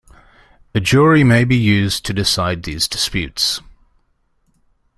A jury may be used to decide these disputes.